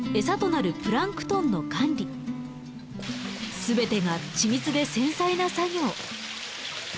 全てが緻密で繊細な作業。